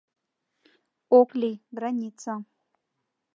Ок лий: граница!